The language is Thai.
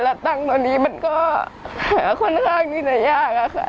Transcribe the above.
และตั้งตัวนี้มันก็หาค่อนข้างที่จะยากอะค่ะ